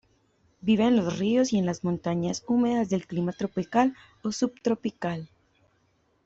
Vive en los ríos y las montañas húmedas de clima tropical o subtropical.